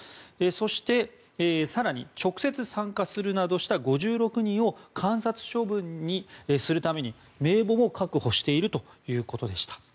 そして、更に直接参加するなどした５６人を監察処分にするために、名簿も確保しているということでした。